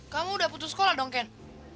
kamu udah putus sekolah dong ken